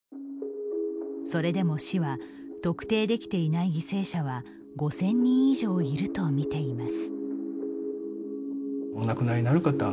それでも市は、特定できていない犠牲者は５０００人以上いるとみています。